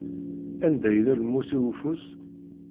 Anda yella lmus-iw ufus?